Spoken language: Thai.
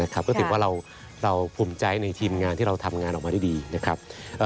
ก็ถือว่าเราภูมิใจในทีมงานที่เราทำงานออกมาได้ดีนะครับ